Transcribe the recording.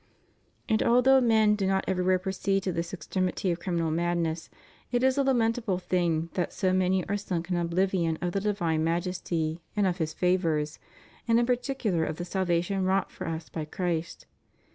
And although men do not everywhere proceed to this extremity of criminal madness, it is a lamentable thing that so many are sunk in oblivion of the divine Majesty and of His favors, and in particular of the salvation wrought for us by Christ.